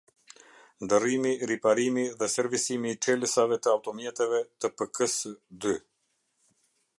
Ndërrimiriparimi dhe servisimi i çelësave të automjeteve të pk-së dy